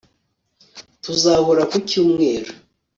Tuzahura ku cyumweru